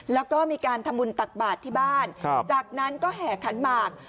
แล้วก็มีการทำบุญตักบาทที่บ้านจากนั้นก็แห่ขันหมาก